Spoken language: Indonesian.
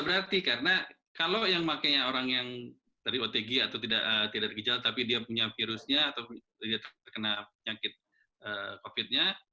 berarti karena kalau yang memakai orang yang dari otg atau tidak tidak kejel tapi dia punya virusnya atau dia terkena penyakit covid sembilan belas